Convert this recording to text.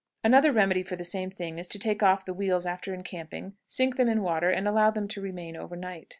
Another remedy for the same thing is to take off the wheels after encamping, sink them in water, and allow them to remain over night.